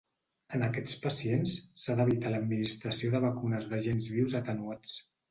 En aquests pacients s'ha d'evitar l'administració de vacunes d'agents vius atenuats.